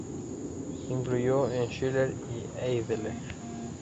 Influyó en Scheler y en Heidegger.